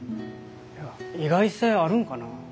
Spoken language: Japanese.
意外性あるんかな。